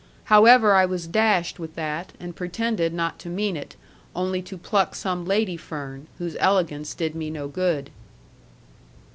However, I was dashed with that, and pretended not to mean it; only to pluck some lady fern, whose elegance did me no good.